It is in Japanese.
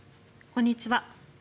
こんにちは。